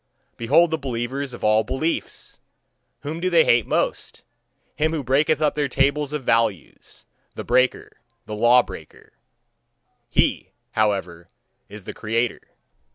Behold the believers of all beliefs! Whom do they hate most? Him who breaketh up their tables of values, the breaker, the law breaker he, however, is the creator.